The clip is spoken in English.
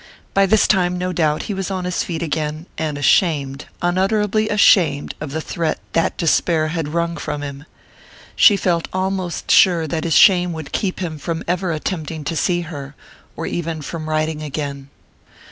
By this time, no doubt, he was on his feet again, and ashamed unutterably ashamed of the threat that despair had wrung from him. She felt almost sure that his shame would keep him from ever attempting to see her, or even from writing again.